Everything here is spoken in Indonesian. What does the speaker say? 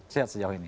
sehat sejauh ini